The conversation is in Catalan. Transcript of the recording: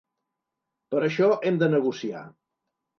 Per això hem de negociar.